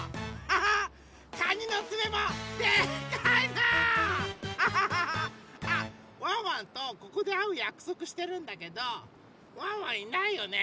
あっワンワンとここであうやくそくしてるんだけどワンワンいないよね？